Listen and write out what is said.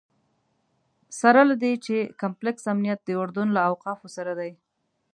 سره له دې چې د کمپلکس امنیت د اردن له اوقافو سره دی.